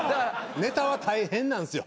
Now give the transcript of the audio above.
ネタは大変なんですよ。